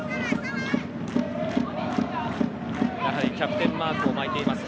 キャプテンマークを巻いています